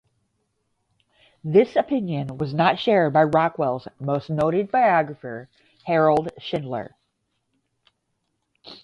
This opinion was not shared by Rockwell's most noted biographer, Harold Schindler.